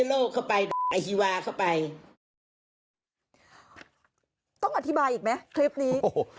โลกเข้าไปไอฮีวาเข้าไปต้องอธิบายอีกไหมคลิปนี้โอ้โห